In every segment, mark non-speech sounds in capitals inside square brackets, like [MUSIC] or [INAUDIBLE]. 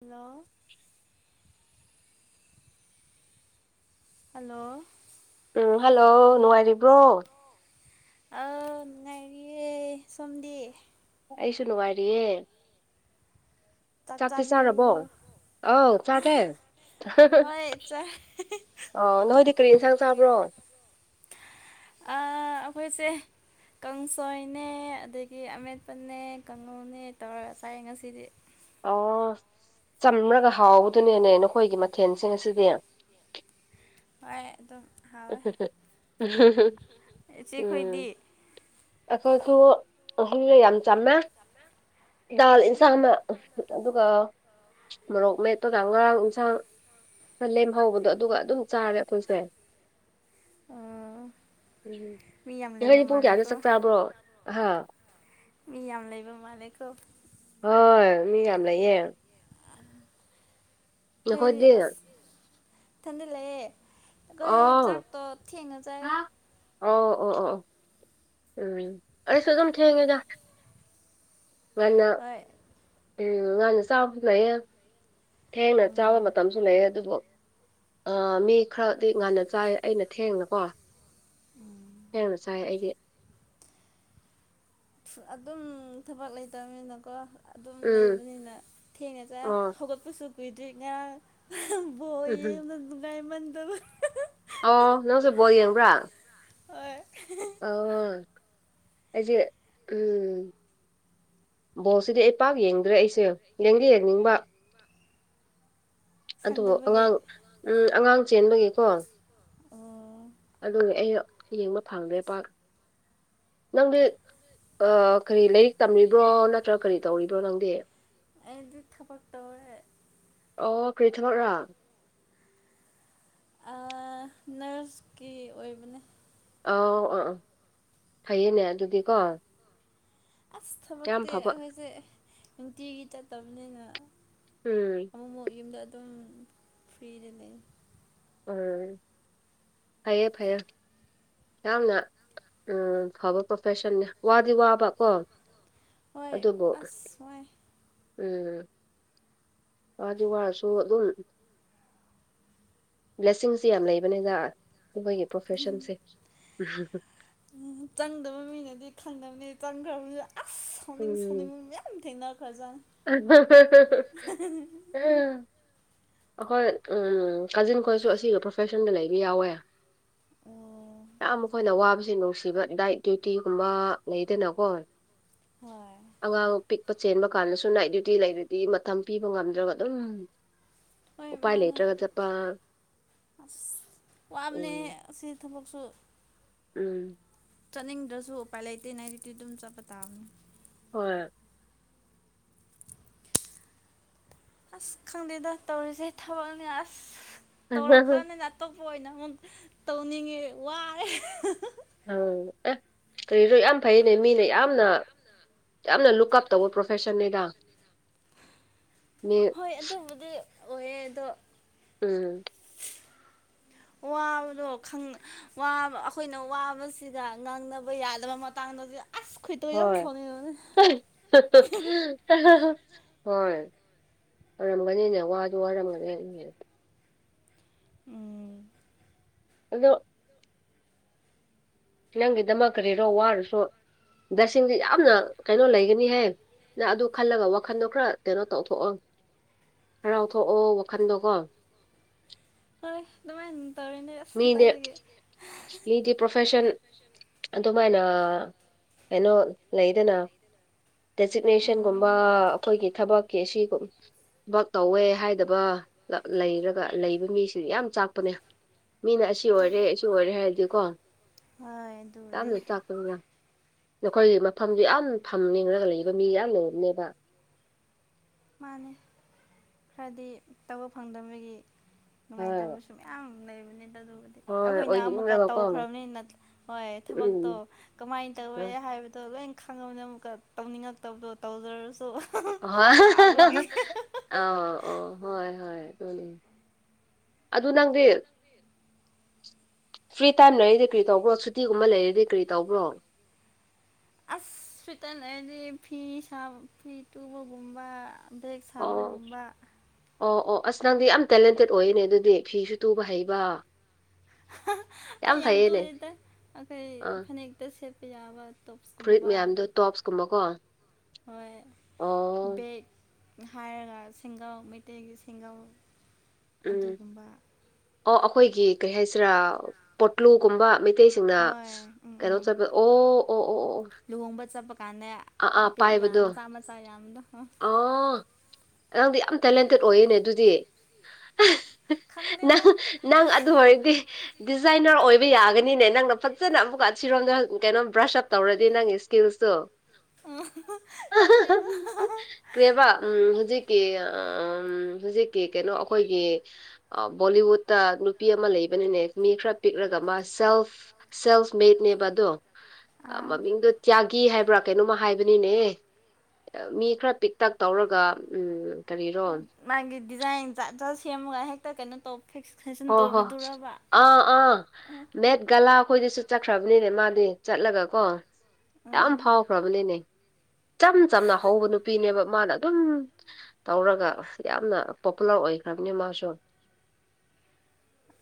hello hello ꯎꯝ hello ꯅꯨꯡꯉꯥꯏꯔꯤꯕ꯭ꯔꯣ ꯑ ꯉꯥꯏꯔꯤꯌꯦ ꯁꯣꯝꯗꯤ ꯑꯩꯁꯨ ꯅꯨꯡꯉꯥꯏꯔꯤꯌꯦ ꯆꯥꯛꯇꯤ ꯆꯥꯔꯕꯣ ꯑꯥꯎ ꯆꯥꯔꯦ ꯑꯍ ꯅꯣꯏꯗꯤ ꯀꯔꯤ ꯏꯟꯁꯥꯡ ꯆꯥꯕ꯭ꯔꯣ ꯑꯥ ꯑꯩꯈꯣꯏꯁꯦ ꯀꯥꯡꯁꯣꯏꯅꯦ ꯑꯗꯒꯤ ꯑꯃꯦꯠꯄꯅꯦ ꯀꯥꯉꯧꯅꯦ ꯇꯧꯔꯒ ꯆꯥꯏ ꯉꯁꯤꯗꯤ ꯑꯣ ꯆꯝꯔꯒ ꯍꯥꯎꯕꯗꯨꯅꯤꯅꯦ ꯅꯈꯣꯏꯒꯤ ꯃꯊꯦꯜꯁꯤꯡ ꯑꯁꯤꯗꯤ [INAUDIBLE] ꯍꯣꯏ ꯑꯗꯨꯝ ꯎꯝ ꯑꯩꯈꯣꯁꯨ ꯑꯍꯤꯡ ꯌꯥꯝ ꯆꯝꯃꯦ ꯗꯥꯜ ꯏꯟꯁꯥꯡ ꯑꯃ ꯑꯗꯨꯒ ꯃꯣꯔꯣꯛ ꯃꯦꯞꯄꯒ ꯉꯔꯥꯡ ꯏꯟꯁꯥꯡ ꯈꯔ ꯂꯦꯝꯍꯧꯕꯗꯣ ꯑꯗꯨꯒ ꯑꯗꯨꯝ ꯆꯥꯔꯦ ꯑꯩꯈꯣꯏꯁꯦ [INAUDIBLE] ꯅꯣꯢꯗꯤ ꯄꯨꯡ ꯀꯌꯥꯗ ꯆꯥꯛ ꯆꯥꯕ꯭ꯔꯣ ꯑꯥꯍ ꯃꯤꯌꯥꯝ ꯂꯩꯕ ꯃꯥꯜꯂꯦꯀꯣ ꯍꯣꯏ ꯃꯤ ꯌꯥꯝ ꯂꯩꯌꯦ ꯅꯈꯣꯏꯗꯤ ꯢꯊꯟꯗ ꯂꯩꯌꯦ ꯀꯩ ꯆꯥꯛꯇꯣ ꯊꯦꯡꯅ ꯆꯥꯌꯦ ꯑꯣ ꯑꯣ ꯑꯣ ꯑꯣ ꯎꯝ ꯑꯩꯁꯨ ꯑꯗꯨꯝ ꯊꯦꯡꯉꯦꯗ ꯉꯟꯅ ꯎꯝ ꯉꯟꯅ ꯆꯥꯕꯁꯨ ꯂꯩꯌꯦ ꯊꯦꯡꯅ ꯆꯥꯕ ꯃꯇꯝꯁꯨ ꯂꯩꯌꯦ ꯑꯗꯨꯕꯨ ꯥ ꯑꯥ ꯃꯤ ꯈꯔꯗꯤ ꯉꯟꯅ ꯆꯥꯏ ꯑꯩꯅ ꯊꯦꯡꯅꯀꯣ ꯊꯦꯡꯅ ꯆꯥꯏ ꯑꯩꯗꯤ ꯑꯗꯨꯝ ꯊꯕꯛ ꯂꯩꯇꯕꯅꯤꯅꯀꯣ ꯑꯗꯨꯝ ꯂꯩꯕꯅꯤꯅ ꯊꯦꯡꯅ ꯆꯥ ꯍꯧꯒꯠꯄꯁꯨ ꯀꯨꯏꯗ꯭ꯔꯤ ꯉꯔꯥꯡ ꯕꯣꯜ ꯌꯦꯡꯕ ꯅꯨꯡꯉꯥꯏꯃꯟꯗꯅ ꯑꯣ ꯅꯪꯁꯨ ꯕꯣꯜ ꯌꯦꯡꯕ꯭ꯔꯥ ꯍꯣꯏ ꯑꯥ ꯑꯩꯁꯦ ꯎꯝ ꯕꯣꯜ ꯁꯤꯗꯤ ꯑꯩ ꯄꯥꯛ ꯌꯦꯡꯗ꯭ꯔꯦ ꯑꯩꯁꯦ ꯌꯦꯡꯗꯤ ꯌꯦꯡꯅꯤꯡꯕ ꯑꯗꯨꯕꯨ ꯑꯉꯥꯡ ꯎꯝ ꯑꯉꯥꯡ ꯆꯦꯟꯕꯒꯤꯀꯣ ꯑꯗꯨꯒꯤ ꯑꯩ ꯌꯦꯡꯕ ꯐꯪꯗ꯭ꯔꯦ ꯄꯥꯛ ꯅꯪꯗꯤ ꯑꯥ ꯀꯔꯤ ꯂꯥꯏꯔꯤꯛ ꯇꯝꯂꯤꯕ꯭ꯔꯣ ꯅꯠꯇ꯭ꯔꯒ ꯀꯔꯤ ꯇꯧꯔꯤꯕ꯭ꯔꯣ ꯅꯪꯗꯤ ꯑꯩꯗꯤ ꯊꯕꯛ ꯇꯧꯋꯦ ꯑꯣ ꯀ꯭ꯔꯤ ꯊꯕꯛ ꯔꯥ ꯑꯥ ꯅꯔꯁꯀꯤ ꯑꯣꯏꯕꯅꯦ ꯑꯣ ꯑꯥ ꯐꯩꯌꯦꯅꯦ ꯑꯗꯨꯗꯤꯀꯣ ꯑꯁ ꯊꯕꯛꯇꯤ ꯑꯩꯈꯣꯏꯁꯦ ꯅꯨꯡꯇꯤꯒꯤ ꯆꯠꯇꯕꯅꯤꯅ ꯑꯃꯨꯛ ꯃꯨꯛ ꯌꯨꯝꯗ ꯑꯗꯨꯝ ꯐ꯭ꯔꯤꯗ ꯂꯩꯌꯦ ꯎꯝ ꯐꯩꯌꯦ ꯐꯩꯌꯦ ꯌꯥꯝꯅ ꯐꯕ ꯄ꯭ꯔꯣꯐꯦꯁꯟꯅꯦ ꯋꯥꯗꯤ ꯋꯥꯕ ꯀꯣ ꯑꯗꯨꯕꯨ ꯎꯝ ꯋꯥꯗꯤ ꯋꯥꯔꯁꯨ ꯑꯗꯨꯝ ꯕ꯭ꯂꯦꯁꯤꯡꯁꯦ ꯌꯥꯝ ꯂꯩꯕꯅꯤꯗ ꯑꯩꯈꯣꯏꯒꯤ ꯄ꯭ꯔꯣꯐꯦꯁꯟꯁꯦ ꯈꯪꯅꯕꯅꯦ ꯆꯪꯈꯔ꯭ꯕꯅꯦ ꯑꯁ ꯁꯥꯎꯅꯤꯡ ꯁꯥꯎꯅꯤꯡꯕ ꯃꯌꯥꯝ ꯊꯦꯡꯅ ꯈꯔꯖꯥꯠꯅꯤ ꯑꯍꯥ ꯑꯍꯥ ꯑꯩꯈꯣꯏ ꯎꯝ ꯀꯖꯤꯟ ꯈꯣꯏꯁꯨ ꯑꯁꯤꯒ ꯄ꯭ꯔꯣꯐꯦꯁꯟꯗ ꯂꯩꯕ ꯌꯥꯎꯋꯦ ꯌꯥꯝ ꯃꯈꯣꯏꯅ ꯋꯥꯕꯁ ꯅꯨꯡꯁꯤꯕ ꯗꯥꯏꯠ ꯗ꯭ꯌꯨꯇꯤꯒꯨꯝꯕ ꯂꯩꯗꯅꯀꯣ ꯍꯣꯏ ꯆꯦꯟꯕ ꯀꯥꯟꯗꯁꯨ ꯅꯥꯏꯠ ꯗ꯭ꯌꯨꯇꯤ ꯂꯩꯕꯗꯤ ꯃꯇꯝ ꯄꯤꯕ ꯉꯝꯗ꯭ꯔꯒ ꯑꯗꯨꯝ ꯍꯣꯏ ꯃꯥꯅꯦ ꯑꯁ ꯋꯥꯕꯅꯦ ꯑꯁꯤ ꯊꯕꯛ ꯁꯨ [INAUDIBLE] ꯎꯝ ꯆꯠꯅꯤꯡꯗ꯭ꯔꯁꯨ ꯎꯄꯥꯏ ꯂꯩꯇꯦ ꯅꯔꯤꯛꯇꯤ ꯑꯗꯨꯝ ꯆꯠꯄ ꯇꯥꯕꯅꯦ ꯍꯣꯏ ꯑꯁ ꯈꯪꯗꯦꯗ ꯇꯧꯔꯤꯁꯦ ꯊꯕꯛꯅꯦ ꯑꯁ ꯇꯧꯔꯛꯄ꯭ꯔꯅꯦ ꯖꯥꯣꯛ ꯑꯣꯏꯅ ꯑꯃꯨꯝ ꯇꯧꯅꯤꯡꯉꯦ ꯋꯥꯔꯦ ꯍ ꯑꯦ ꯀꯔꯏ ꯐꯩꯅꯦ ꯃꯤꯅ ꯌꯥꯝꯅ ꯌꯥꯝꯅ ꯂꯨꯛ ꯑꯞ ꯇꯧꯕ ꯄ꯭ꯔꯣꯐꯦꯁꯟꯅꯦꯗ ꯍꯣꯏ ꯑꯗꯨ ꯃꯗꯤ ꯑꯣꯏꯗ ꯎꯝ ꯋꯥꯕꯗꯣꯕ ꯑꯩꯈꯣꯏꯅ ꯋꯥꯕꯁꯤꯗ ꯉꯥꯡꯅꯕ ꯌꯥꯗꯕ ꯃꯇꯥꯡꯗ ꯍꯣꯏ ꯍꯣꯏ ꯋꯥꯔꯝꯒꯅꯤꯅꯦ ꯋꯥꯗꯨ ꯋꯥꯔꯝꯒꯅꯤ ꯑ [INAUDIBLE] [UNINTELLIGIBLE] ꯑꯗꯣ ꯅꯪꯒꯤꯗꯃꯛ ꯀꯔꯤꯔꯣ ꯋꯥꯔꯁꯨ ꯗꯁꯤꯡꯁ ꯌꯥꯝꯅ ꯀꯩꯅꯣ ꯂꯩꯒꯅꯤ ꯍꯥꯏ ꯅꯪ ꯑꯗꯨ ꯈꯜꯂꯒ ꯋꯥꯈꯟꯗꯣ ꯈꯔ ꯀꯩꯅꯣ ꯇꯧꯊꯣꯛꯑꯣꯪ ꯍꯔꯥꯎꯊꯣꯛꯑꯣ ꯋꯥꯈꯜꯗꯣꯀꯣ ꯍꯣꯏ ꯑꯗꯨꯃꯥꯟ ꯃꯤꯗꯤ ꯃꯤꯗꯤ ꯄ꯭ꯔꯣꯐꯦꯁꯟ ꯑꯗꯨꯃꯥꯏꯅ ꯀꯩꯅꯣ ꯂꯩꯗꯅ ꯗꯦꯖꯤꯛꯅꯦꯁꯟꯒꯨꯝꯕ ꯑꯩꯈꯣꯏꯒꯤ ꯊꯕꯛꯀꯤ ꯑꯁꯤꯒꯨꯝ ꯊꯕꯛ ꯇꯧꯋꯦ ꯍꯥꯏꯗꯕ ꯂꯩꯔꯒ ꯂꯩꯕ ꯃꯤꯁꯤ ꯌꯥꯝ ꯆꯥꯛꯄꯅꯦ ꯃꯤꯅ ꯑꯁꯤ ꯑꯣꯏꯔꯦ ꯑꯁꯤꯁꯨ ꯑꯣꯏꯔꯦ ꯍꯥꯏꯔꯗꯤꯀꯣ ꯌꯥꯝ ꯂ ꯇꯥꯛꯇꯧꯔ ꯅꯈꯣꯏꯒꯤ ꯃꯐꯝꯗꯨ ꯌꯥꯝ ꯐꯝ ꯌꯦꯡꯉꯒ ꯂꯩꯕ ꯃꯤ ꯌꯥꯝ ꯂꯩꯅꯦꯕ [UNINTELLIGIBLE] [INAUDIBLE] ꯃꯥꯅꯦ ꯈꯔꯗꯤ ꯇꯕꯛ ꯐꯪꯗꯕꯒꯤ ꯉꯥꯏꯇꯥꯕꯨ ꯁ ꯌꯥꯝꯌꯥꯝ ꯂꯩ ꯑꯩꯈꯣꯏꯅ ꯑꯃꯨꯛꯀ ꯇꯧꯈ꯭ꯔꯕꯅꯤꯅ ꯍꯣꯏ ꯊꯕꯛꯇꯣ ꯀꯃꯥꯏꯅ ꯇꯧꯋꯦ ꯍꯥꯏꯕꯗꯣ ꯂꯣꯏꯅ ꯈꯪꯉꯕꯅꯤꯅ ꯑꯃꯨꯛꯀ ꯇꯧꯅꯤꯡꯉꯛꯇꯕꯗꯣ ꯇꯧꯖꯔꯁ ꯍ ꯑ ꯑꯣ ꯍꯣꯏ ꯍꯣꯏ ꯑꯗꯨ ꯅꯪꯗꯤ ꯐ꯭ꯔꯤ ꯇꯥꯏꯝ ꯂꯩꯔꯗꯤ ꯀꯔꯤ ꯇꯧꯕ꯭ꯔꯣ ꯁꯨꯇꯤꯒꯨꯝꯕ ꯂꯩꯔꯗꯤ ꯀꯔꯤ ꯇꯧꯕ꯭ꯔꯣ ꯑꯁ ꯇꯗꯤ ꯐꯤ ꯁꯥ ꯐꯤ ꯇꯕꯒꯨꯝꯕꯥ ꯕꯦꯛ ꯁꯥꯕꯒꯨꯝꯕ ꯑꯣ ꯑꯣ ꯑꯁ ꯅꯪꯗꯤ ꯌꯥꯝ ꯇꯦꯂꯦꯟꯇꯦꯠ ꯑꯣꯏꯅꯦ ꯑꯗꯨꯗꯤ ꯐꯤꯁꯨ ꯇꯨꯕ ꯍꯩꯕ ꯑꯩ ꯌꯥꯝ ꯇꯣꯜꯂꯤꯗ ꯑꯩꯈꯣꯏ ꯐꯅꯦꯛꯇ ꯁꯦꯠꯄ ꯌꯥꯕ ꯐ꯭ꯔꯨꯏꯠ ꯃꯌꯥꯝꯗꯣ ꯇꯣꯞꯁꯀꯨꯝꯕꯀꯣ ꯑꯣ ꯍꯥꯏꯔꯒ ꯁꯦꯡꯒꯥꯎ ꯃꯩꯇꯩꯒꯤ ꯁꯦꯡꯒꯧ ꯑꯗꯨꯒꯨꯝꯕ ꯑꯣ ꯑꯩꯈꯣꯏꯒꯤ ꯀꯔꯤ ꯍꯥꯏꯁꯤꯔꯥ ꯄꯣꯠꯂꯨꯒꯨꯝꯕ ꯃꯤ ꯃꯩꯇꯩꯁꯤꯡꯅ ꯀꯩꯅꯣ ꯆꯠꯄ ꯑꯣ ꯑꯣ ꯑꯣ ꯑꯣ ꯑꯣ ꯀꯥꯟꯗ ꯄꯦꯛ ꯌꯥ ꯃꯆꯥ ꯃꯆꯥ ꯌꯥꯝꯕꯗꯣ ꯑꯉꯥꯡꯗꯤ ꯌꯥꯝ ꯇꯦꯂꯦꯟꯇꯦꯠ ꯑꯣꯏꯌꯦꯅꯦ ꯑꯗꯨꯗꯤ ꯅꯪ ꯅꯪ ꯑꯗꯨ ꯑꯣꯏꯔꯗꯤ ꯗꯤꯖꯥꯏꯅꯔ ꯑꯣꯏꯕ ꯍꯥꯏꯕ ꯌꯥꯒꯅꯤꯅꯦ ꯅꯪꯅ ꯐꯖꯅ ꯑꯃꯨꯛꯀ ꯑꯁꯤꯔꯣꯝꯗ ꯀꯩꯅꯣ ꯕ꯭ꯔꯁ ꯑꯞ ꯇꯧꯔꯗꯤ ꯅꯪꯒꯤ ꯏꯁꯀꯤꯜꯁꯇꯣ ꯀ꯭ꯔꯤꯦꯕꯥ ꯎꯝ ꯍꯧꯖꯤꯛꯀꯤ ꯑ ꯎꯝ ꯍꯧꯖꯤꯛꯀꯤ ꯀꯩꯅꯣ ꯑꯩꯈꯣꯏꯒꯤ ꯕꯣꯂꯤꯋꯨꯠꯇ ꯅꯨꯄꯤ ꯑꯃ ꯂꯩꯕꯅꯤꯅꯦ ꯃꯤ ꯈꯔ ꯄꯤꯛꯂꯒ ꯃꯥ ꯁꯦꯜꯐ ꯁꯦꯜꯐ ꯏꯁꯠꯅꯦꯕ ꯑꯗꯣ ꯃꯃꯤꯡꯗꯣ ꯇ꯭ꯌꯥꯒꯤ ꯍꯥꯏꯕ꯭ꯔꯥ ꯀꯩꯅꯣꯃ ꯍꯥꯏꯕꯅꯤꯅꯦ ꯃꯤ ꯈꯔ ꯄꯤꯛꯇꯛ ꯇꯧꯔꯒ ꯎꯝ ꯃꯥꯒꯤ ꯗꯤꯖꯥꯏꯟ ꯖꯠ ꯖꯠ ꯁꯦꯝꯃꯒ ꯍꯦꯛꯇ ꯀꯩꯅꯣ ꯇꯧ ꯑꯣ ꯍꯣ ꯑ ꯑꯥ ꯅꯦꯠꯒꯂꯥꯎ ꯑꯩꯈꯣꯏꯗꯁꯨ ꯆꯠꯈ꯭ꯔꯕꯅꯤꯅꯦ ꯃꯥꯗꯤ ꯆꯠꯂꯒ ꯀꯣ ꯌꯥꯝ ꯐꯥꯎꯈ꯭ꯔꯕꯅꯤꯅꯦ ꯏꯝ ꯆꯝꯅ ꯍꯧꯕ ꯅꯨꯄꯤꯅꯦꯕ ꯃꯥꯅ ꯑꯗꯨꯝ ꯇꯧꯔꯒ ꯌꯥꯝꯅ ꯄꯣꯄꯨꯂꯔ ꯑꯣꯏꯈꯝꯅꯤ ꯃꯥꯁ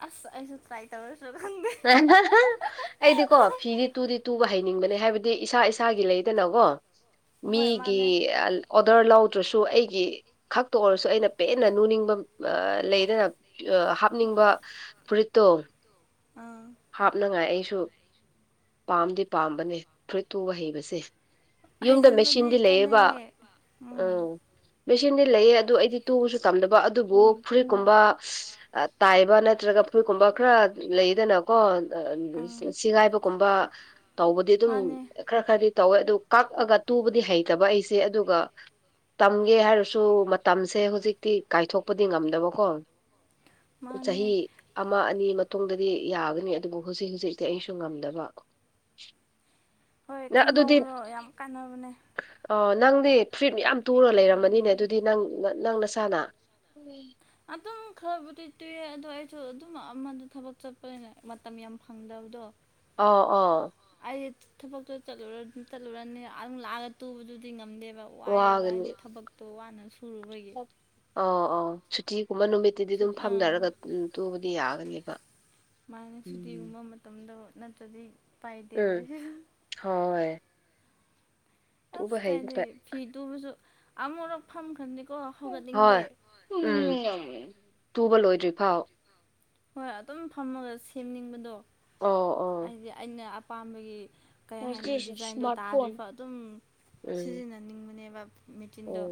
ꯑꯁ ꯑꯩꯁꯨ ꯂꯥꯏ ꯇꯕ ꯑꯩꯗꯤꯀꯣ ꯐꯤꯗꯤ ꯇꯨꯗꯤ ꯇꯨꯕ ꯍꯥꯏꯩ ꯏꯁꯥ ꯏꯁꯥ ꯒꯤ ꯂꯦꯗ ꯀꯣ ꯑꯩꯒꯤ ꯈꯛꯇ ꯑꯣꯏꯔꯁꯨ ꯑꯩꯅ ꯄꯦꯅꯤꯡꯕ ꯂꯩꯗꯅ ꯍꯥꯅꯤꯡ ꯄꯔꯤꯇ ꯑꯥ ꯍꯥꯞꯅꯉꯥꯏ ꯑꯩꯁꯨ ꯄꯥꯝꯗꯤ ꯄꯥꯝꯕꯅꯦ ꯐꯨꯔꯤ ꯇꯨꯕ ꯍꯩꯕꯁꯦ ꯍꯩꯖꯤꯟꯕꯗꯤ ꯀꯥꯟꯅꯩꯌꯦ ꯎꯝ ꯃꯦꯆꯤꯟꯗꯤ ꯂꯩꯌꯦ ꯑꯗꯨ ꯑꯩꯗꯤ ꯇꯨꯕꯁꯨ ꯇꯝꯗꯅꯕ ꯑꯗꯨꯕꯨ ꯐꯨꯔꯤꯠꯀꯨꯝꯕ ꯇꯥꯏꯕ ꯅꯠꯇ꯭ꯔꯒ ꯐꯨꯔꯤꯠꯀꯨꯝꯕ ꯈꯔ ꯂꯩꯗꯅ ꯀꯣ ꯁꯤꯦꯒꯥꯏꯕꯒꯨꯝꯕ ꯇꯧꯕꯗꯤ ꯑꯗꯨꯝ ꯈꯔ ꯈꯔꯗꯤ ꯇꯧꯋꯦ ꯑꯗꯨ ꯀꯛꯑꯒ ꯇꯨꯕꯗꯤ ꯍꯩꯇꯕ ꯑꯩꯁꯦ ꯑꯗꯨꯒ ꯇꯝꯒꯦ ꯍꯥꯏꯔꯁꯨ ꯃꯇꯝꯁꯦ ꯍꯧꯖꯤꯛꯇꯤ ꯀꯥꯏꯊꯣꯛꯄꯗꯤ ꯉꯝꯗꯕꯀꯣ ꯆꯍꯤ ꯑꯃ ꯑꯅꯤ ꯃꯇꯨꯡꯗꯗꯤ ꯌꯥꯒꯗ ꯑꯗꯨꯕꯨ ꯍꯧꯖꯤꯛ ꯍꯧꯖꯤꯛꯇꯤ ꯑꯩꯁꯨ ꯉꯝꯗꯕ ꯍꯣꯏ ꯈꯪꯍꯧꯕꯗꯣ ꯌꯥꯝ ꯀꯥꯟꯅꯕꯅꯦ ꯑꯣ ꯅꯪꯗꯤ ꯐꯨꯔꯤꯠ ꯌꯥꯝ ꯇꯨꯔꯒ ꯂꯩꯔꯝꯃꯅꯤꯅꯦ ꯑꯗꯨꯗꯤ ꯅꯪ ꯅꯪ ꯅ ꯁꯥꯥꯅ ꯑꯗꯨꯝ ꯈꯔꯕꯨꯗꯤ ꯇꯨꯏ ꯑꯗꯣ ꯑꯩꯁꯨ ꯑꯗꯨꯝ ꯑꯃꯗꯨ ꯊꯕꯛ ꯆꯠꯄꯅꯤꯅ ꯃꯇꯝ ꯌꯥꯝ ꯐꯪꯗꯕ ꯍꯧꯥꯎꯗꯣ ꯑ ꯑꯥ ꯑꯩ ꯊꯕꯛꯇꯣꯂ ꯆꯠꯂꯨꯔꯅꯤ ꯑꯗꯨ ꯂꯥꯛꯑꯒ ꯇꯨꯕꯗꯨꯗꯤ ꯉꯝꯗꯦꯕ ꯋꯥꯏꯑꯦꯕ ꯍꯥꯏꯗꯤ ꯊꯕꯛꯇꯣ ꯋꯥꯅ ꯁꯨꯕꯒꯤ ꯑꯥꯎ ꯑꯧ ꯁꯨꯇꯤꯒꯨꯝꯕ ꯅꯨꯃꯤꯠꯇꯨꯗꯤ ꯑꯗꯨꯝ ꯐꯝꯅꯔꯒ ꯇꯨꯕꯗꯤ ꯌꯥꯒꯅꯦꯕ ꯃꯥꯥꯏꯅ ꯁꯨꯇꯤꯒꯨꯝꯕ ꯃꯇꯝꯗ ꯅꯠꯇ꯭ꯔꯗꯤ ꯎꯝ ꯍꯣꯏ ꯑꯁ ꯀꯥꯏꯒ ꯐꯤ ꯇ ꯄ ꯑꯃ ꯐꯥ ꯈꯥꯟꯗꯤ ꯍꯣꯏ ꯎꯝ ꯇꯨꯕ ꯂꯣꯏꯗ꯭ꯔꯤ ꯐꯥꯎ ꯍꯣꯏ ꯑꯗꯨꯝ ꯐꯝꯃꯒ ꯁꯦꯝꯅꯤꯡꯕꯗꯣ ꯍꯥꯏꯗꯤ ꯑꯩꯅ ꯑꯄꯥꯝꯕꯒꯤ ꯀꯩ ꯍꯥꯏꯅꯤ ꯗꯤꯖꯥꯏꯟꯗꯣ ꯇꯥꯗ꯭ꯔꯤꯐ ꯑꯗꯨꯝ ꯁꯤꯖꯤꯟꯅꯅꯤꯡꯕꯅꯦꯕ ꯃꯤꯆꯟꯗ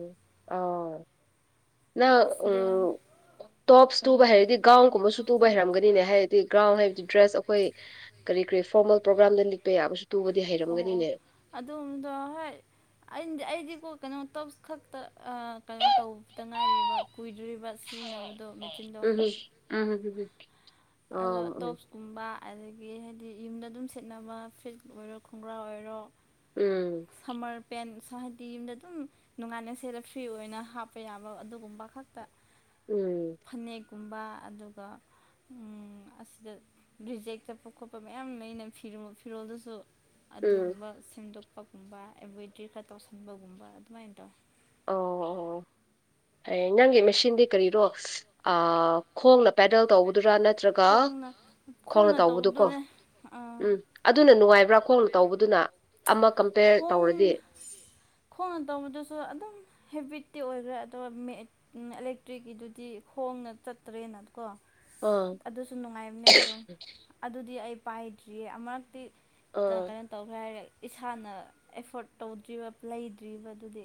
ꯅ ꯎ ꯇꯣꯞꯁ ꯇꯨꯕ ꯍꯥꯏꯔꯗꯤ ꯒꯥꯎꯟꯒꯨꯝꯕꯁꯨ ꯇꯨꯕ ꯍꯩꯔꯝꯒꯅꯤꯅꯦ ꯍꯥꯏꯔꯗꯤ ꯒꯥꯎꯟ ꯍꯥꯏꯕꯗꯤ ꯗ꯭ꯔꯦꯁ ꯑꯩꯈꯣꯏ ꯀꯔꯤ ꯐꯣꯔꯃꯦꯜ ꯄ꯭ꯔꯣꯒ꯭ꯔꯥꯝ ꯂꯤꯄ ꯌꯥꯕ ꯑꯣ ꯑꯣ ꯑꯗꯨꯝꯕꯗꯣ ꯍꯣꯏꯗꯤ ꯑꯩꯗꯤꯀꯣ ꯀꯩꯅꯣ ꯇ ꯈꯛꯇ ꯀꯩꯅꯣ ꯇꯧꯕꯗ ꯉꯥꯏꯔꯤꯕ ꯀꯨꯏꯗꯣꯔꯤꯕ ꯁꯤꯖꯤꯟꯅꯕꯗꯣ ꯎꯝ ꯎꯝ ꯎꯝ ꯑꯗꯣ ꯇꯣꯞꯁꯀꯨꯝꯕ ꯑꯗꯒꯤ ꯍꯥꯏꯗꯤ ꯌꯨꯝꯗ ꯑꯗꯨꯝ ꯁꯦꯠꯅꯕ ꯐꯔꯤꯠ ꯑꯣꯏꯔꯣ ꯈꯣꯡꯒ꯭ꯔꯥ ꯑꯣꯏꯔꯣ ꯁꯝꯃꯔ ꯄꯦꯟ ꯁꯣꯍꯥꯏꯇꯤ ꯌꯨꯝꯗ ꯑꯗꯨꯝ ꯅꯨꯡꯉꯥꯏꯅ ꯁꯦꯂ ꯐ꯭ꯔꯤ ꯑꯣꯏꯅ ꯍꯥꯞꯄ ꯌꯥꯕ ꯑꯗꯨꯒꯨꯝꯕ ꯈꯛꯇ ꯎꯝ ꯀꯨꯝꯕ ꯑꯗꯨꯒ ꯑꯁꯤꯗ ꯔꯤꯖꯦꯛ ꯆꯠꯄ ꯈꯣꯠꯄ ꯃꯌꯥꯝ ꯂꯩꯅ ꯐꯤꯔ ꯐꯤꯔꯣꯜꯗꯁꯨ ꯑꯗꯨꯒꯨꯝꯕ ꯁꯦꯝꯗꯣꯛꯄꯒꯨꯝꯕ ꯑꯦꯕ꯭ꯔꯣꯏꯗ꯭ꯔꯤ ꯈꯔ ꯇꯧꯁꯟꯕꯒꯨꯝꯕ ꯑꯗꯨꯃꯥꯏꯅ ꯇꯧꯋ ꯑꯣ ꯑꯣ ꯑꯦ ꯅꯪꯒꯤ ꯃꯦꯆꯤꯟꯗꯤ ꯀꯔꯤꯔꯣ ꯈꯣꯡꯅ ꯄꯦꯗꯜ ꯇꯧꯕꯗꯨꯔꯥ ꯅꯠꯇ꯭ꯔꯒ ꯈꯣꯡꯅ ꯇꯧꯕꯗꯨꯀꯣ ꯎꯝ ꯑꯗꯨꯅ ꯅꯨꯡꯉꯥꯏꯕ꯭ꯔꯥ ꯈꯣꯡꯅ ꯇꯧꯕꯗꯨꯅ ꯑꯃ ꯀꯝꯄꯦꯔ ꯇꯧꯔꯗꯤ ꯈꯣꯟ ꯇꯃꯗꯨꯁꯨ ꯑꯗꯨꯝ ꯍꯦꯕꯤꯠꯇꯤ ꯑꯣꯏꯈ꯭ꯔꯦ ꯑꯗꯣ ꯑꯦꯂꯦꯛꯇ꯭ꯔꯤꯛꯀꯤꯗꯨꯗꯤ ꯍꯣꯡꯅ ꯆꯠꯇ꯭ꯔꯦꯅꯣ ꯀꯣ ꯑꯗꯨꯁꯨ ꯅꯨꯡꯉꯥꯏꯕꯅꯦ ꯑꯗꯣ ꯑꯗꯨꯗꯤ ꯑꯩ ꯄꯥꯏꯗ꯭ꯔꯤꯌꯦ ꯑꯃꯨꯔꯛꯇꯤ ꯀꯩꯅꯣ ꯇꯧꯈ꯭ꯔꯦ ꯍꯥꯏꯔꯦ ꯏꯁꯥꯅ ꯑꯦꯐꯣꯔꯠ ꯇꯧꯗ꯭ꯔꯤꯕ ꯂꯩꯇ꯭ꯔꯤꯕꯗꯨꯗꯤ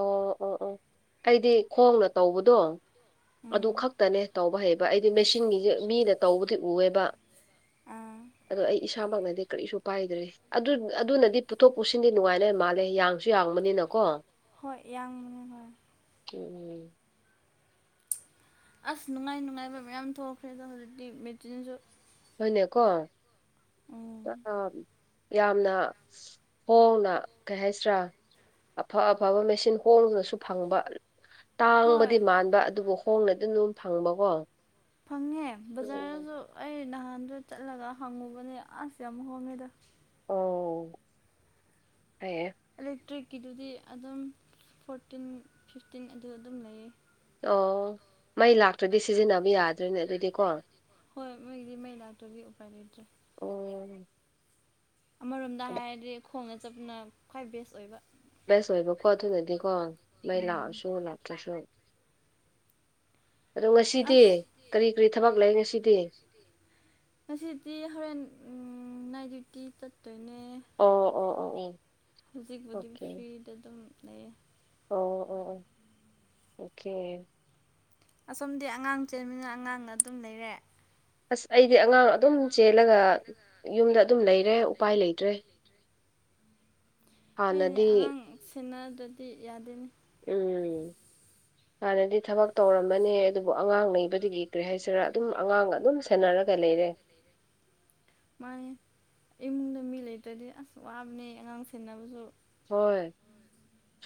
ꯑꯣ ꯑꯣ ꯑꯣ ꯑꯩꯗꯤ ꯈꯣꯡꯅ ꯇꯧꯕꯗꯣ ꯑꯗꯨ ꯈꯛꯇꯅꯦ ꯇꯧꯕ ꯍꯩꯕ ꯑꯩꯗꯤ ꯃꯦꯆꯤꯟꯒꯤꯁꯦ ꯃꯤꯅ ꯇꯧꯕꯗꯤ ꯎꯑꯦꯕ ꯑꯗꯣ ꯑꯩ ꯏꯁꯥꯃꯛꯅꯗꯤ ꯀꯔꯤꯁꯨ ꯄꯥꯏꯗ꯭ꯔꯤ ꯑꯗꯨ ꯑꯗꯨꯅꯗꯤ ꯄꯨꯊꯣꯛ ꯄꯨꯁꯤꯟꯗꯤ ꯅꯨꯡꯉꯥꯏꯅ ꯃꯥꯜꯂꯦ ꯌꯥꯡꯁꯨ ꯌꯥ ꯐꯥꯡꯕꯅꯤꯅꯀꯣ ꯍꯣꯏ ꯌꯥꯡꯕꯅꯦ ꯎꯝ ꯑꯁ ꯅꯨꯡꯉꯥꯏ ꯅꯨꯡꯉꯥꯏꯕ ꯃꯌꯥꯝ ꯊꯣꯛꯈ꯭ꯔꯦꯗ ꯍꯧꯖꯤꯛꯇꯤ ꯃꯦꯆꯤꯟꯁꯨ ꯍꯅꯦ ꯀꯣ ꯌꯥꯝꯅ ꯍꯣꯡꯅ ꯀꯩ ꯍꯥꯏꯁꯤꯔꯥ ꯑꯐ ꯑꯐꯕ ꯃꯦꯆꯤꯟ ꯍꯣꯡꯅꯁꯨ ꯐꯪꯕ ꯇꯥꯡꯕꯗꯤ ꯃꯥꯟꯕ ꯑꯗꯨꯕꯨ ꯍꯣꯡꯅꯗꯤ ꯑꯗꯨꯝ ꯐꯪꯕꯀꯣ ꯐꯪꯉꯦ ꯕꯖꯥꯔꯗꯁꯨ ꯑꯩ ꯅꯍꯥꯟ ꯗ ꯆꯠꯂꯒ ꯍꯪꯉꯨꯕꯅꯦ ꯑꯁ ꯌꯥꯝ ꯍꯣꯡꯉꯦꯗ ꯑꯣ ꯏꯂꯦꯛꯇ꯭ꯔꯤꯛꯀꯤꯗꯨꯗꯤ ꯑꯗꯨꯝ ꯐꯣꯔꯇꯤꯟ ꯐꯤꯐꯇꯤꯟ ꯑꯗꯨ ꯑꯗꯨꯝ ꯂꯩꯌꯦ ꯑꯣ ꯃꯩ ꯂꯥꯛꯇ꯭ꯔꯗꯤ ꯁꯤꯖꯤꯟꯅꯕ ꯌꯥꯗ꯭ꯔꯦꯅꯦ ꯑꯗꯨꯗꯤꯀꯣ ꯍꯣꯏ ꯃꯣꯏꯗꯤ ꯃꯩ ꯂꯥꯛꯇ꯭ꯔꯗꯤ ꯎꯄꯥꯏ ꯂꯩꯇ꯭ꯔꯦ ꯑꯣ ꯑꯃꯔꯣꯝꯗ ꯍꯥꯏꯔꯗꯤ ꯈꯣꯡꯅ ꯆꯞꯅ ꯈ꯭ꯋꯥꯏ ꯕꯦꯁ ꯑꯣꯏꯕ ꯕꯦꯁ ꯑꯣꯏꯕꯀꯣ ꯑꯗꯨꯅꯗꯤꯀꯣ ꯃꯩ ꯂꯥꯛꯑꯁꯨ ꯂꯥꯛꯇ꯭ꯔꯁꯨ ꯑꯗꯣ ꯉꯁꯤꯗꯤ ꯀꯔꯤ ꯀꯔꯤ ꯊꯕꯛ ꯂꯩ ꯉꯁꯤꯗꯤ ꯉꯁꯤꯗꯤ ꯍꯣꯔꯦꯟ ꯅꯥꯏꯠ ꯗ꯭ꯌꯨꯇꯤ ꯆꯠꯇꯣꯏꯅꯦ ꯍꯧꯖꯤꯛꯕꯨꯨꯗꯤ ꯐ꯭ꯔꯤꯗ ꯑꯗꯨꯝ ꯂꯩꯌꯦ ꯑꯣ ꯑꯣ ꯑꯣ ꯑꯣꯀꯦ ꯑꯁꯣꯝꯗꯤ ꯑꯉꯥꯡ ꯆꯦꯟꯃꯤꯅ ꯑꯉꯥꯡꯅ ꯑꯗꯨꯝ ꯂꯩꯔꯦ ꯑꯁ ꯑꯩꯗꯤ ꯑꯉꯥꯡ ꯑꯗꯨꯝ ꯆꯦꯜꯂꯒ ꯌꯨꯝꯗ ꯑꯗꯨꯝ ꯂꯩꯔꯦ ꯎꯄꯥꯏ ꯂꯩꯇ꯭ꯔꯦ [INAUDIBLE] ꯍꯥꯟꯅꯗꯤ ꯗꯨꯗꯤ ꯌꯥꯗꯦꯅꯦ ꯎꯝ ꯍꯥꯟꯅꯗꯤ ꯊꯕꯛ ꯇꯧꯔꯝꯕꯅꯦ ꯑꯗꯨꯕꯨ ꯑꯉꯥꯡ ꯅꯩꯕꯗꯤ ꯀꯔꯤ ꯍꯥꯏꯁꯤꯔꯥ ꯑꯗꯨꯝ ꯑꯉꯥꯡꯒ ꯑꯗꯨꯝ ꯁꯦꯟꯅꯔꯒ ꯂꯩꯔꯦ ꯔꯦ ꯃꯥꯅꯦ ꯏꯃꯨꯡꯗ ꯃꯤ ꯂꯩꯇꯗꯤ ꯑꯁ ꯋꯥꯝꯅꯦ ꯑꯉꯥꯡ ꯁꯦꯟꯅꯕꯁꯨ ꯍꯣꯏ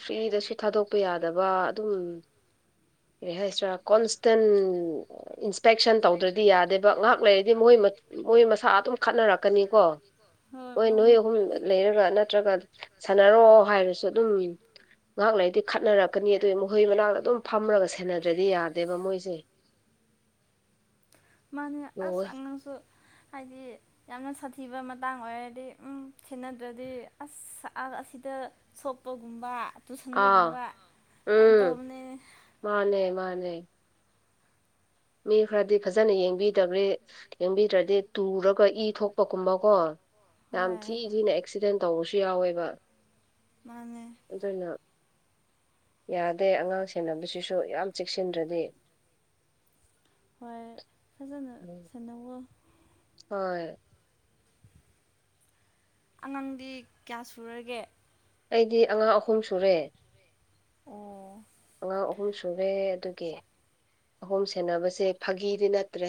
ꯐ꯭ꯔꯤꯗꯁꯨ ꯊꯥꯗꯣꯛꯄ ꯌꯥꯗꯕ ꯑꯗꯨꯝ ꯀꯔꯤ ꯍꯥꯏꯁꯤꯔꯥ ꯀꯣꯟꯁ ꯇꯟ ꯏꯟꯁꯄꯦꯛꯁꯟ ꯇꯧꯗ꯭ꯔꯗꯤ ꯌꯥꯗꯦꯕ ꯉꯥꯏꯍꯥꯛ ꯂꯩꯔꯗꯤ ꯃꯣꯏ ꯃꯣꯏ ꯃꯁꯥ ꯑꯗꯨꯝ ꯈꯠꯅ ꯅꯔꯛꯀꯅꯤꯀꯣ ꯍꯣꯏ ꯅꯣꯏ ꯑꯍꯨꯝ ꯂꯩꯔꯒ ꯅꯠꯇ꯭ꯔꯒ ꯁꯥꯟꯅꯔꯑꯣ ꯍꯥꯏꯔꯁꯨ ꯑꯗꯨꯝ ꯎꯝ ꯉꯥꯏꯍꯥꯛ ꯂꯩꯗꯤ ꯈꯠꯅꯔꯛꯀꯅꯤ ꯑꯗꯨ ꯃꯍꯣꯏ ꯃꯅꯥꯛ ꯑꯗꯨꯝ ꯐꯝꯔꯒ ꯁꯦꯟꯅꯗ꯭ꯔꯗꯤ ꯌꯥꯗꯦꯕ ꯃꯣꯏꯁꯦ ꯃꯥꯅꯦ ꯑꯁ ꯑꯉꯥꯡꯁꯨ ꯍꯥꯏꯗꯤ ꯌꯥꯝꯅ ꯁꯥꯊꯤꯕ ꯃꯇꯥꯡ ꯑꯣꯏꯔꯗꯤ ꯎꯝ ꯊꯤꯅꯗ꯭ꯔꯗꯤ ꯑꯁ ꯑꯁꯤꯗ ꯗ ꯁꯣꯛꯄꯒꯨꯝꯕ ꯑꯥ ꯎꯝ ꯃꯥꯅꯦ ꯃꯥꯅꯦ ꯃꯤ ꯈꯔꯗꯤ ꯐꯖꯅ ꯌꯦꯡꯕꯤꯗꯕꯔ꯭ꯦꯏ ꯌꯦꯡꯕꯤꯗ꯭ꯔꯗꯤ ꯇꯨꯔꯒ ꯏ ꯊꯣꯛꯄꯒꯨꯝꯕꯀꯣ ꯌꯥꯝ ꯊꯤ ꯊꯤꯅ ꯑꯦꯛꯁꯤꯗꯦꯟ ꯇꯧꯕꯁꯨ ꯌꯥꯎꯋꯦꯕ ꯃꯥꯅꯦ ꯌꯥꯗꯦ ꯑꯉꯥꯡ ꯁꯦꯟꯅꯕꯁꯤꯁꯨ ꯌꯥꯝ ꯆꯦꯛꯁꯤꯟꯗ꯭ꯔꯗꯤ ꯍꯣꯏ ꯐꯖꯅ ꯁꯦꯟꯅꯧꯑꯣ ꯍꯣꯏ ꯑꯉꯥꯡꯗꯤ ꯀꯌꯥ ꯁꯨꯔꯒꯦ ꯑꯩꯗꯤ ꯑꯉꯥꯡ ꯑꯍꯨꯝ ꯁꯨꯔꯦ ꯑꯣ ꯑꯉꯥꯡ ꯑꯍꯨꯝ ꯁꯨꯔꯦ ꯑꯗꯨꯒꯤ ꯑꯍꯨꯝ ꯁꯦꯟꯅꯕꯁꯦ ꯐꯥꯒꯤꯗꯤ ꯅꯠꯇ꯭ꯔꯦ